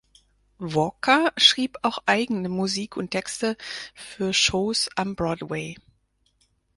Walker schrieb auch eigene Musik und Texte für Shows am Broadway.